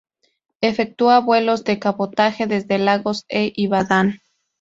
Efectúa vuelos de cabotaje desde Lagos e Ibadán.